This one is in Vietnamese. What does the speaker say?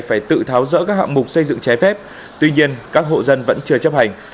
phải tự tháo rỡ các hạng mục xây dựng trái phép tuy nhiên các hộ dân vẫn chưa chấp hành